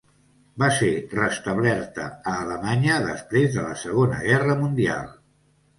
Va ser restablerta a Alemanya després de la Segona Guerra Mundial.